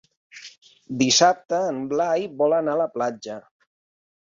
Dissabte en Blai vol anar a la platja.